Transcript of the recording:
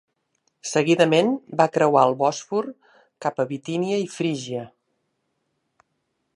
Seguidament va creuar el Bòsfor, cap a Bitínia i Frígia.